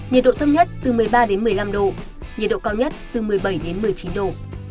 nhiệt độ thấp nhất từ một mươi ba đến một mươi năm độ nhiệt độ cao nhất từ một mươi bảy đến một mươi chín độ